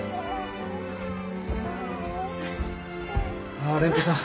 ああ蓮子さん。